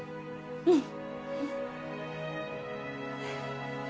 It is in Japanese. うん！